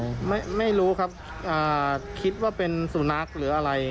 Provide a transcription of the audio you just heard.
ว่ามันคืออะไรยังไงไม่ไม่รู้ครับอ่าคิดว่าเป็นสุนัขหรืออะไรอย่าง